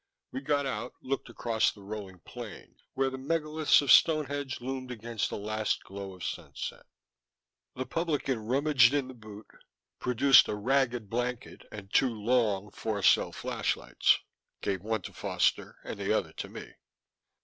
We got out, looked across the rolling plain where the megaliths of Stonehenge loomed against the last glow of sunset. The publican rummaged in the boot, produced a ragged blanket and two long four cell flashlights, gave one to Foster and the other to me.